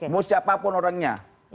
mau siapapun orangnya